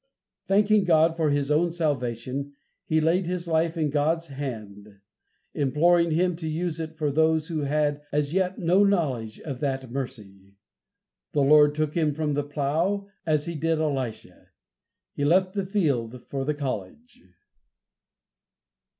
Thanking God for his own salvation, he laid his life in God's hand, imploring Him to use it for those who had as yet no knowledge of that mercy. The Lord took him from the plough, as he did Elisha. He left the field for the college.